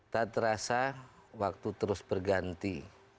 tak terasa waktu terus berganti